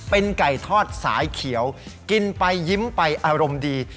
เป็นไก่ทอดสายเขียวกินไปยิ้มไปอารมณ์ดี